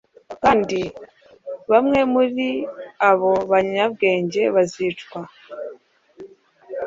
Kandi bamwe muri abo banyabwenge bazicwa